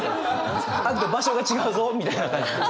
あんた場所が違うぞみたいな感じです。